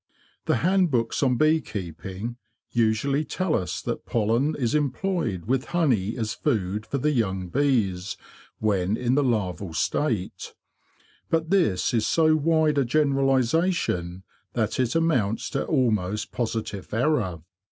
The hand books on bee keeping usually tell us that pollen is employed with honey as food for the young bees when in the larval state; but this is so wide a generalisation that it amounts to almost positive error.